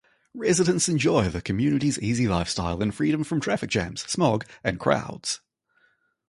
Residents enjoy the community's easy lifestyle and freedom from traffic jams, smog and crowds.